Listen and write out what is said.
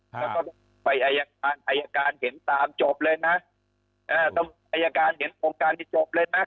แล้วก็ไปอายการเห็นตามจบเลยนะต้องไปอายการเห็นโครงการที่จบเลยนะ